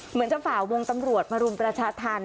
เหมือนจะฝ่าวงตำรวจมารุมประชาธรรม